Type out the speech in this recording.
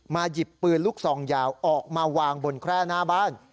หยิบปืนลูกซองยาวออกมาวางบนแคร่หน้าบ้าน